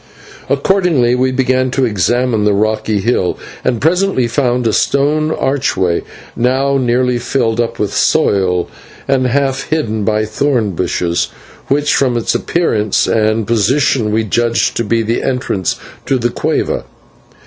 Accordingly we began to examine the rocky hill, and presently found a stone archway, now nearly filled up with soil and half hidden by thorn bushes, which from its appearance and position we judged to be the entrance to the /cueva